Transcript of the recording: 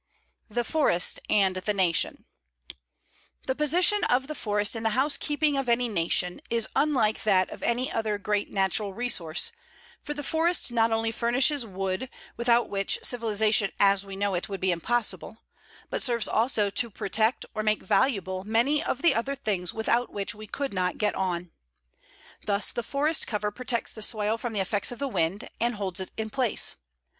THE FOREST AND THE NATION The position of the forest in the housekeeping of any nation is unlike that of any other great natural resource, for the forest not only furnishes wood, without which civilization as we know it would be impossible, but serves also to protect or make valuable many of the other things without which we could not get on. Thus the forest cover protects the soil from the effects of wind, and holds it in place.